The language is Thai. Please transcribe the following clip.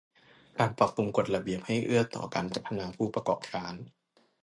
การปรับปรุงกฎระเบียบให้เอื้อต่อการพัฒนาผู้ประกอบการ